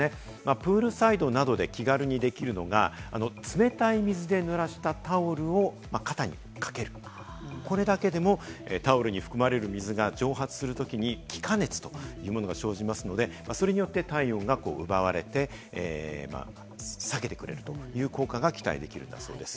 プールサイドなどで気軽にできるのが、冷たい水で濡らしたタオルを肩にかける、これだけでもタオルに含まれる水が蒸発するときに気化熱というものが生じますので、それによって体温が奪われて下げてくれるという効果が期待できるそうです。